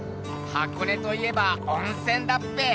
箱根といえばおんせんだっぺ。